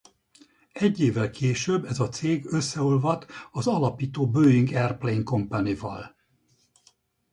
Egy évvel később ez a cég összeolvadt az alapító Boeing Airplane Company-val.